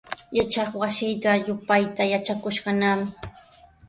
Yachaywasitraw yupayta yatrakushqanami.